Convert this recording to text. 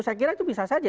saya kira itu bisa saja